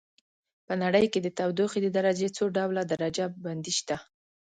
په نړۍ کې د تودوخې د درجې څو ډول درجه بندي شته.